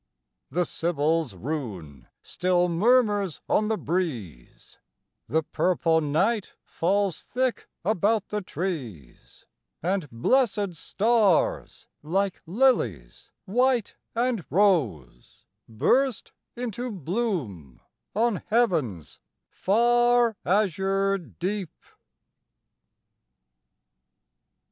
The sibyl's rune still murmurs on the breeze, The purple night falls thick about the trees, And blessed stars, like lilies white and rose, Burst into bloom on heaven's far azure deep.